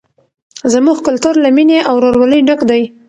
زموږ کلتور له مینې او ورورولۍ ډک دی.